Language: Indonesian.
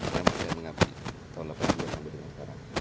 saya masih mengabdi tahun delapan puluh saya mengabdi sekarang